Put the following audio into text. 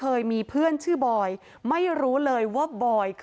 ปืนมันลั่นไปใส่แฟนสาวเขาก็ยังยันกับเราเหมือนเดิมแบบนี้นะคะ